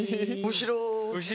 後ろ。